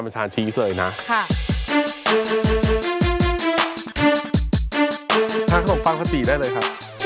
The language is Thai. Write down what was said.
ถ้าเขิดของฟังขนตรีได้เลยค่ะ